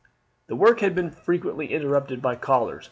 The work had been frequently interrupted by callers.